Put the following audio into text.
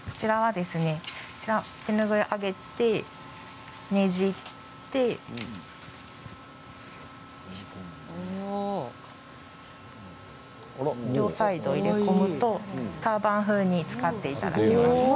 手拭いをあげてねじって両サイドを入れ込むとターバン風に使っていただけます。